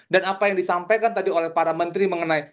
dan apa yang disampaikan tadi oleh para menteri mengenai